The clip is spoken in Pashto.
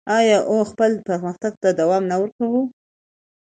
آیا او خپل پرمختګ ته دوام نه ورکوي؟